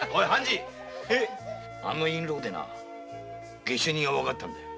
あの印篭で下手人がわかったんだよ。